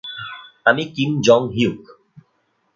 আমি Kim Jong-hyuk.